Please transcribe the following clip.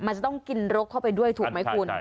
มันจะต้องกินรกเข้าไปด้วยถูกไหมคุณ